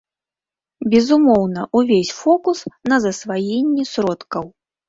Безумоўна, увесь фокус на засваенні сродкаў.